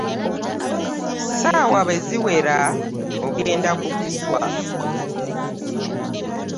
Ssaawa bwe ziwera ogenda ku kiswa.